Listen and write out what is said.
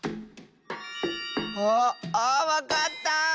ああっわかった！